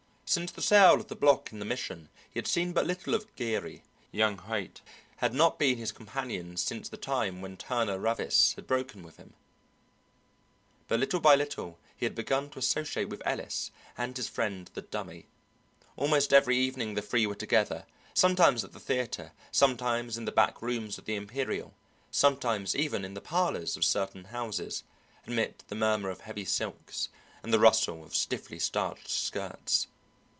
Since the sale of the block in the Mission he had seen but little of Geary; young Haight had not been his companion since the time when Turner Ravis had broken with him, but little by little he had begun to associate with Ellis and his friend the Dummy. Almost every evening the three were together, sometimes at the theatre, sometimes in the back rooms of the Imperial, sometimes even in the parlours of certain houses, amid the murmur of heavy silks and the rustle of stiffly starched skirts.